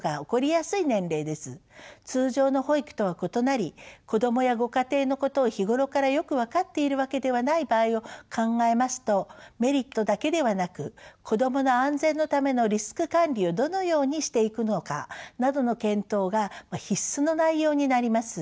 通常の保育とは異なり子どもやご家庭のことを日頃からよく分かっているわけではない場合を考えますとメリットだけではなく子どもの安全のためのリスク管理をどのようにしていくのかなどの検討が必須の内容になります。